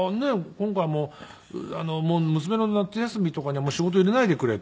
今回も娘の夏休みとかには仕事入れないでくれって言って。